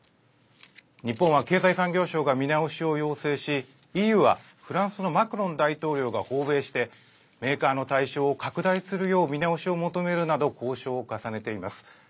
日本は経済産業省が見直しを要請しＥＵはフランスのマクロン大統領が訪米してメーカーの対象を拡大するよう見直しを求めるなど交渉を重ねています。